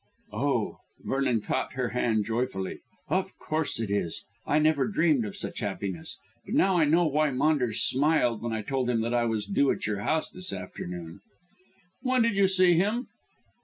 "Oh," Vernon caught her hand joyfully, "of course it is; I never dreamed of such happiness. But now I know why Maunders smiled when I told him that I was due at your house this afternoon." "When did you see him?"